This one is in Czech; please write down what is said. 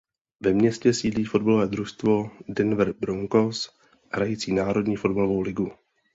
Ve městě sídlí fotbalové družstvo Denver Broncos hrající Národní fotbalovou ligu.